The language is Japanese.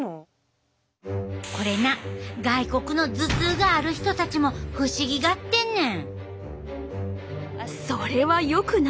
これな外国の頭痛がある人たちも不思議がってんねん。